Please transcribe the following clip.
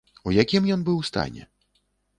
У якім ён быў стане?